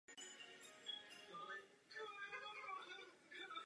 Nachází se zde také letiště.